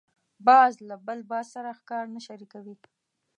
باز له بل باز سره ښکار نه شریکوي